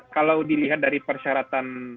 kalau dilihat dari persyaratan